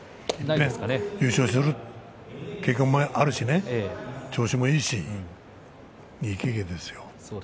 優勝の経験もあるし調子もいいしいけいけですよ。